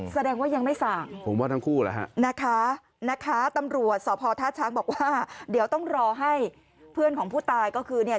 แสดงว่ายังไม่สั่งผมว่าทั้งคู่แหละฮะนะคะตำรวจสพท่าช้างบอกว่าเดี๋ยวต้องรอให้เพื่อนของผู้ตายก็คือเนี่ย